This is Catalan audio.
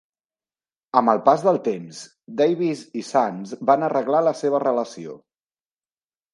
Amb el pas del temps, Davis i Suns van arreglar la seva relació.